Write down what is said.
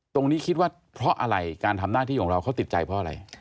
ตรงนี้คิดว่าเพราะอะไรการทำหน้าที่ของเราเขาติดใจเพราะอะไร